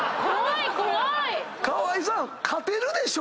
川合さん勝てるでしょ⁉